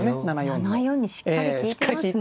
７四にしっかり利いてますね。